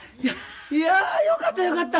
いやよかったよかった。